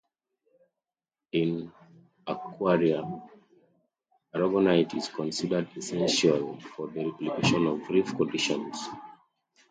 In aquaria, aragonite is considered essential for the replication of reef conditions.